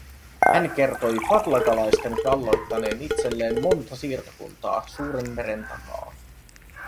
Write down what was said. Hän kertoi fadlaqalaisten valloittaneen itselleen monta siirtokuntaa suuren meren takaa.